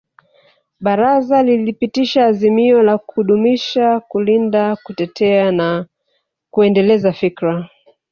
Baraza lilipitisha azimio la kudumisha kulinda kutetea na kuendeleza fikra